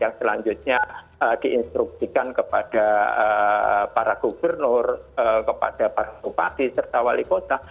yang selanjutnya diinstruksikan kepada para gubernur kepada para bupati serta wali kota